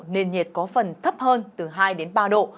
nền nhiệt có phần thấp hơn từ hai đến ba độ